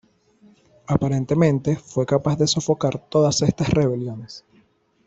Aparentemente, fue capaz de sofocar todas estas rebeliones.